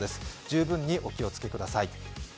十分にお気をつけください。